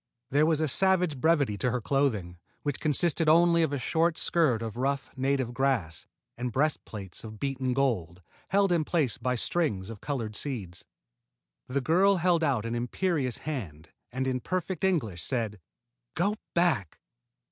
There was a savage brevity to her clothing, which consisted only of a short skirt of rough native grass and breastplates of beaten gold, held in place by strings of colored seeds. The girl held out an imperious hand and, in perfect English, said: "Go back!"